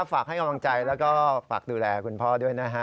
ฝากให้กำลังใจแล้วก็ฝากดูแลคุณพ่อด้วยนะฮะ